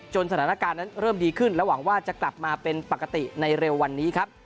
สถานการณ์นั้นเริ่มดีขึ้นและหวังว่าจะกลับมาเป็นปกติในเร็ววันนี้ครับ